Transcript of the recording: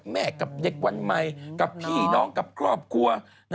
กับเด็กวันใหม่กับพี่น้องกับครอบครัว